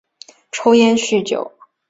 抽烟酗酒